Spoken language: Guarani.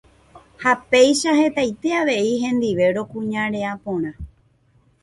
ha péicha hetaite avei hendive rokuñarea porã.